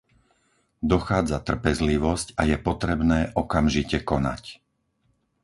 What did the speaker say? Dochádza trpezlivosť a je potrebné okamžite konať.